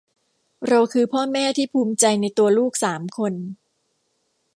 เราคือพ่อแม่ที่ภูมิใจในตัวลูกสามคน